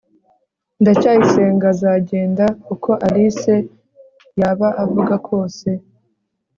ndacyayisenga azagenda, uko alice yaba avuga kose